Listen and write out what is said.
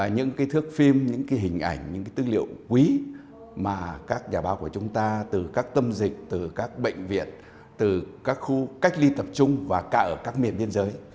những cái thước phim những cái hình ảnh những cái tư liệu quý mà các nhà báo của chúng ta từ các tâm dịch từ các bệnh viện từ các khu cách ly tập trung và cả ở các miền biên giới